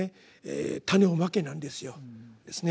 「種を蒔け」なんですよ。